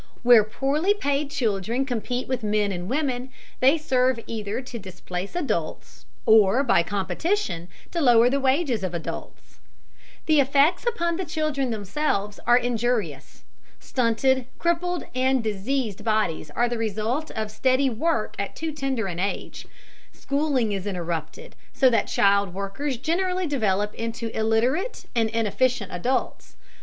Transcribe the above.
Where poorly paid children compete with men and women, they serve either to displace adults, or, by competition, to lower the wages of adults. The effects upon the children themselves are injurious. Stunted, crippled, and diseased bodies are the result of steady work at too tender an age. Schooling is interrupted, so that child workers generally develop into illiterate and inefficient adults.